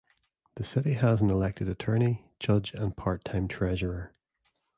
The city has an elected attorney, judge and part-time treasurer.